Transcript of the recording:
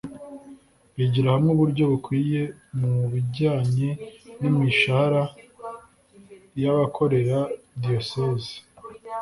bigira hamwe uburyo bukwiye mu bijyanye n’imishahara y’abakorera diyosezi